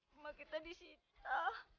rumah kita disita